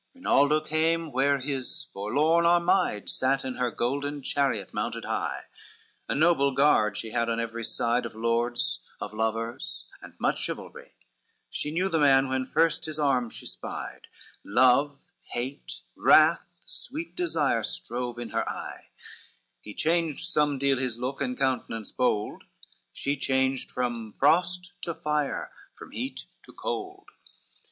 LXI Rinaldo came where his forlorn Armide Sate on her golden chariot mounted high, A noble guard she had on every side Of lords, of lovers, and much chivalry: She knew the man when first his arms she spied, Love, hate, wrath, sweet desire strove in her eye, He changed somedeal his look and countenance bold, She changed from frost to fire, from heat to cold.